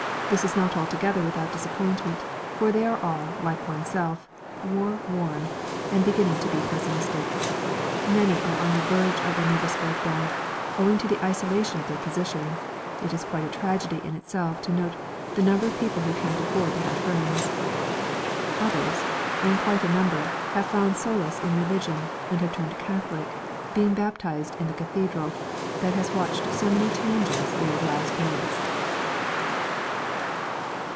This is not altogether without disappointment, for they are all, like oneself, "war worn" and beginning to be pessimistic. Many are on the verge of a nervous breakdown, owing to the isolation of their position (it is quite a tragedy in itself to note the number of people who can't afford to have friends); others, and quite a number, have found solace in religion and have turned Catholic, being baptised in the Cathedral that has watched so many changes these last months.